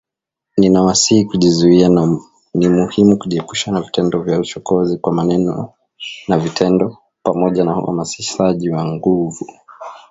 “Ninawasihi kujizuia na ni muhimu kujiepusha na vitendo vya uchokozi, kwa maneno na vitendo, pamoja na uhamasishaji wa nguvu”